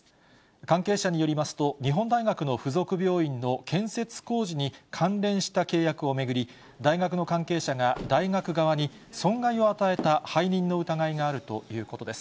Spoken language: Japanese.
関係者によりますと、日本大学の付属病院の建設工事に関連した契約を巡り、大学の関係者が大学側に損害を与えた背任の疑いがあるということです。